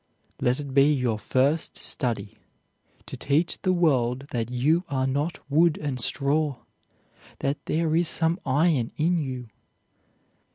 "Let it be your first study to teach the world that you are not wood and straw; that there is some iron in you."